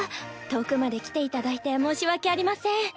遠くまで来ていただいて申し訳ありません。